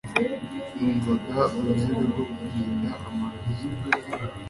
Numvaga uruziga rwo kurinda amarozi